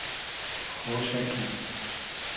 خۉشۂ کی